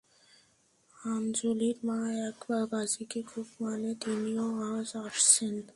আঞ্জলির মা এক বাবাজি কে খুব মানে তিনি ও আজ আসছেন।